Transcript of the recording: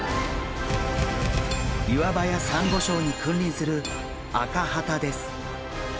岩場やサンゴ礁に君臨するアカハタです。